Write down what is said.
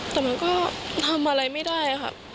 แต่มันก็ทำอะไรไม่ได้ค่ะ